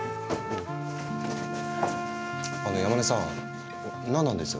あの山根さん何なんです？